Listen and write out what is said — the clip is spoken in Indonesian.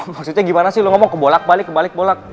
maksudnya gimana sih lo ngomong kebolak balik kebalik bolak